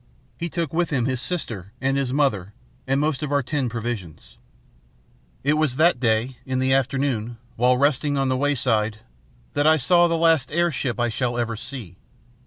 He took with him his sister and his mother and most of our tinned provisions. It was that day, in the afternoon, while resting by the wayside, that I saw the last airship I shall ever see.